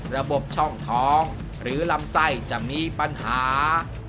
ระบบช่องท้องหรือลำไส้จะมีปัญหา